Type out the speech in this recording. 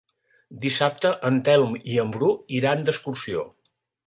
Dissabte en Telm i en Bru iran d'excursió.